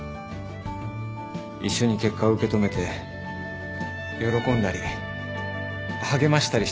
一緒に結果を受け止めて喜んだり励ましたりしたかった。